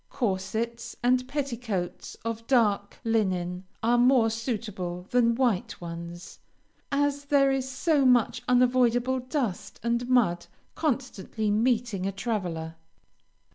Corsets and petticoats of dark linen are more suitable than white ones, as there is so much unavoidable dust and mud constantly meeting a traveler.